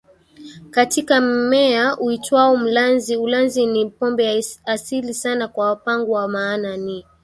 katika mmea uitwao mlanzi Ulanzi ni pombe ya asili sana kwa Wapangwa maana ni